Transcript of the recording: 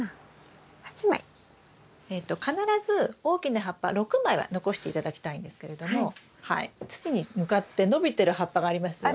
必ず大きな葉っぱ６枚は残して頂きたいんですけれども土に向かって伸びてる葉っぱがありますよね。ありますね。